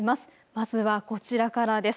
まずはこちらからです。